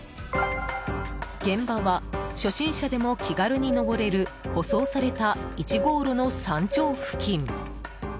現場は、初心者でも気軽に登れる舗装された１号路の山頂付近。